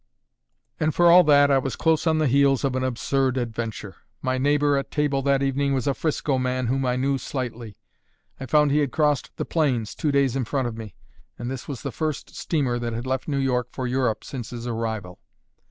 And for all that, I was close on the heels of an absurd adventure. My neighbour at table that evening was a 'Frisco man whom I knew slightly. I found he had crossed the plains two days in front of me, and this was the first steamer that had left New York for Europe since his arrival.